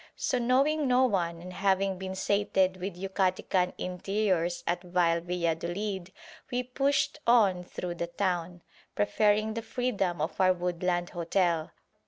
So knowing no one and having been sated with Yucatecan interiors at vile Valladolid, we pushed on through the town, preferring the freedom of our woodland hotel.